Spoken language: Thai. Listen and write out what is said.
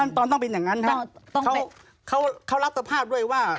ตอนต้องเป็นอย่างนั้นครับเขารับสภาพด้วยว่า